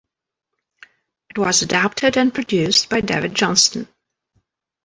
It was adapted and produced by David Johnston.